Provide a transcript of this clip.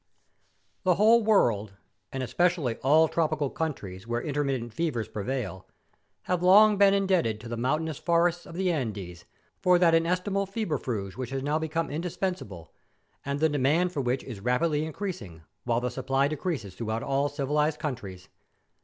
The whole world, and especially all tropical countries where intermittent fevers prevail, have long been indebted to the mountainous forests of the Andes for that inestimable febrifuge which has now become indispensable, and the demand for which is rapidly increasing, while the supply decreases throughout all civilised countries.